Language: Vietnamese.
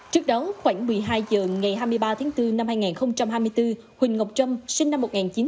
trước đó khoảng một mươi hai h ngày hai mươi ba tháng bốn năm hai nghìn hai mươi bốn huỳnh ngọc trâm sinh năm một nghìn chín trăm tám mươi